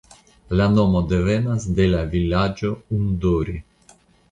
La nomo devenas de la vilaĝo Undori.